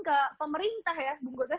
ke pemerintah ya